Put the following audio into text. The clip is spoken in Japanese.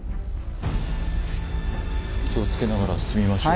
気をつけながら進みましょう。